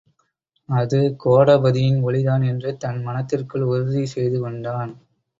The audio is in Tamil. அது கோடபதியின் ஒலிதான்! என்று தன் மனத்திற்குள் உறுதி செய்து கொண்டான்.